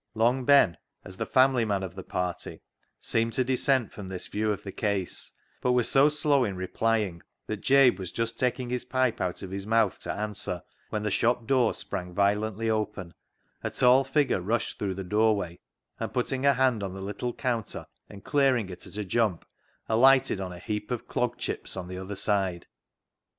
Long Ben, as the family man of the party, seemed to dissent from this view of the case, but was so slow in replying that Jabe was just taking his pipe out of his mouth to answer, when the shop door sprang violently open, a tall figure rushed through the doorway, and putting a hand on the little counter and clear ing it at a jump, alighted on a heap of clog chips on the other side.